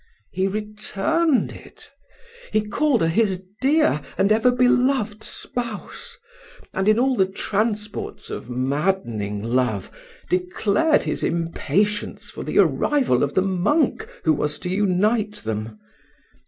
He returned it he called her his dear and ever beloved spouse; and, in all the transports of maddening love, declared his impatience for the arrival of the monk who was to unite them.